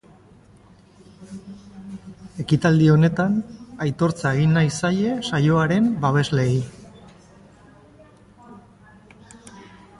Ekitaldi honetan aitortza egin nahi zaie saioaren babesleei.